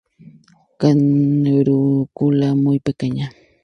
Carúncula muy pequeña.